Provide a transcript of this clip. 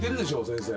先生。